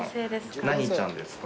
何ちゃんですか？